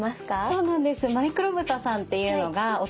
そうなんです。